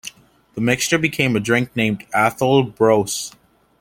The mixture became a drink named Atholl Brose.